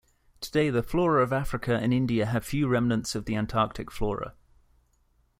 Today, the flora of Africa and India have few remnants of the Antarctic flora.